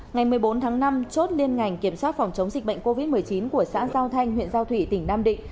ngày một mươi bốn tháng năm chốt liên ngành kiểm soát phòng chống dịch bệnh covid một mươi chín của xã giao thanh huyện giao thủy tỉnh nam định